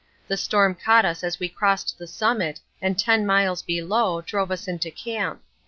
The storm caught us as we crossed the summit, and ten miles below, drove us into camp.